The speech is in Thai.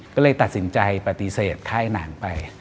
ก็เลยตัดสินใจปฏิเสธค่ายหนังไป